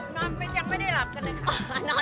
นอนยังไม่ได้หลับกันเลยค่ะ